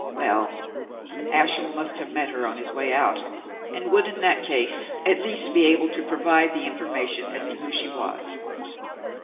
Well, Ashiel must have met her on his way out, and would in that case at least be able to provide the information as to who she was.